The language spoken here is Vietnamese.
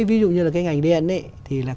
ví dụ như là cái ngành điện ấy thì là